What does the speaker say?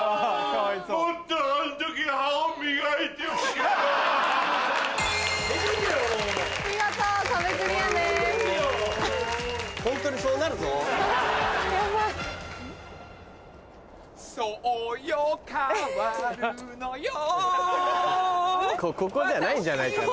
わたしここじゃないんじゃないかな。